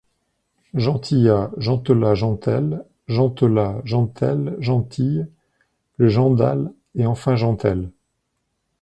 Gentilla, Gentella, Gentèle, Gentela, Gentelles, Gentilles, Le Gendalle et enfin Gentelles.